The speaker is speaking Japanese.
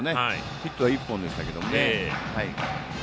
ヒットは１本でしたけどね。